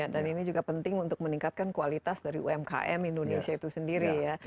dan ini juga penting untuk meningkatkan kualitas dari umkm indonesia itu sendiri ya